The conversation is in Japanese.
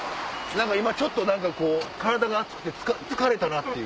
今ちょっと体が熱くて疲れたっていう。